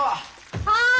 はい。